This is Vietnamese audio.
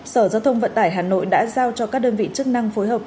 sở giao thông vận tải hà nội đã giao cho các đơn vị chức năng phối hợp